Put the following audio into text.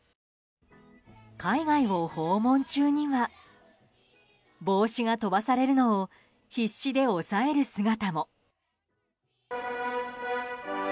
海外を訪問中には帽子が飛ばされるのを必死で押さえる姿も。